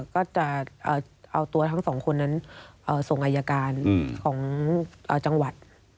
ก็จะเอาตัวทั้งสองคนนั้นส่งอายการของจังหวัด